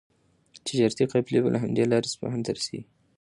تجارتي قافلې به له همدې لارې اصفهان ته رسېدې.